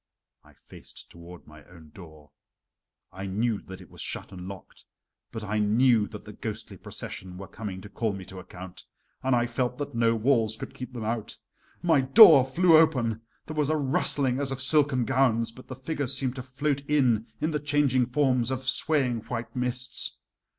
I faced toward my own door. I knew that it was shut and locked, but I knew that the ghostly procession were coming to call me to account, and I felt that no walls could keep them out. My door flew open, there was a rustling as of silken gowns, but the figures seemed to float in in the changing forms of swaying white mists.